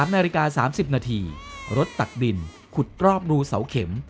๓นาฬิกา๓๐นาทีรถตักดินขุดรอบรูเสาเข็ม